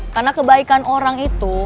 karena kebaikan orang itu